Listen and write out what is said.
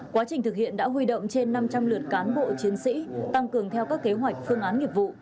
quá trình thực hiện đã huy động trên năm trăm linh lượt cán bộ chiến sĩ tăng cường theo các kế hoạch phương án nghiệp vụ